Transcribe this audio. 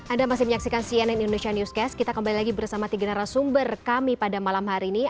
anda masih menyaksikan cnn indonesia newscast kita kembali lagi bersama tiga narasumber kami pada malam hari ini